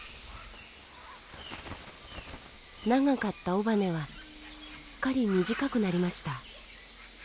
長かった尾羽はすっかり短くなりました。